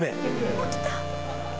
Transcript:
起きた。